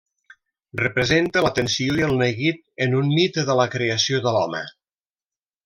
Representa l'atenció i el neguit en un mite de la creació de l'home.